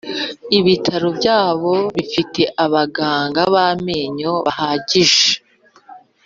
Ibitaro byabo bifite abaganga b’ amenyo bahagije